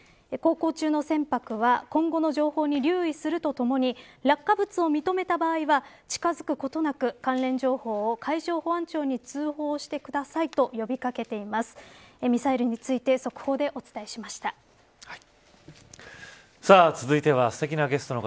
航行中の船舶は今後の情報に留意するとともに落下物を認めた場合は近づくことなく関連情報を海上保安庁に通報してくださいと呼び掛けています。